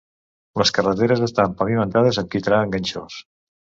Les carreteres estan pavimentades amb quitrà enganxós.